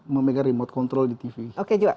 memegang remote control di tv oke juga